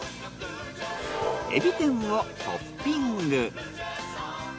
エビ天をトッピング。